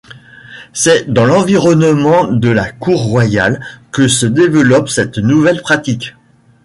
C'est dans l'environnement de la cour royale que se développe cette nouvelle pratique.